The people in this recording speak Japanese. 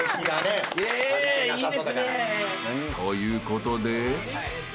［ということで］